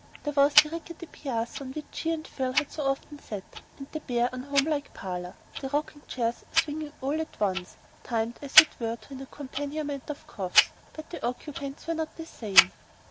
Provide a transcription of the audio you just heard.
There was the rickety piazza on which she and Phil had so often sat, the bare, unhomelike parlor, the rocking chairs swinging all at once, timed as it were to an accompaniment of coughs; but the occupants were not the same.